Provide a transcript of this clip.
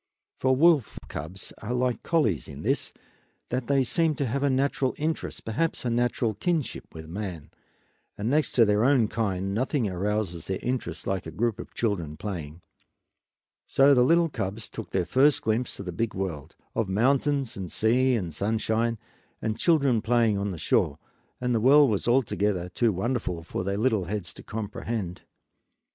For wolf cubs are like collies in this, that they seem to have a natural interest, perhaps a natural kinship with man, and next to their own kind nothing arouses their interest like a group of children playing. So the little cubs took their first glimpse of the big world, of mountains and sea and sunshine, and children playing on the shore, and the world was altogether too wonderful for little heads to comprehend.